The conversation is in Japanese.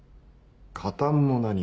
加担も何も。